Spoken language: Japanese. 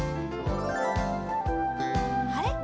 あれ？